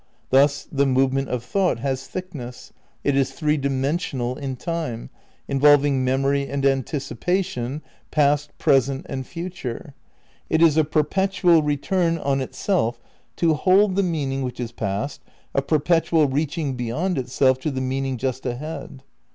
Thus the movement of thought has thickness, it is three dimen sional in time, involving memory and anticipation, past, present and future; it is a perpetual return on itself to hold the meaning which is past, a perpetual reaching beyond itself to the meaning just ahead.